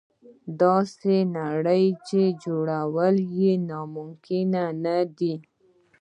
داسې نړۍ چې جوړول یې ناممکن نه دي.